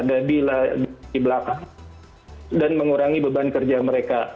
jadi kita bisa lebih lebih lebih di belakang dan mengurangi beban kerja mereka